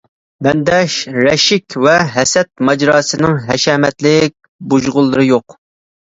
مەندە رەشك ۋە ھەسەت ماجىراسىنىڭ ھەشەمەتلىك بۇژغۇنلىرى يوق.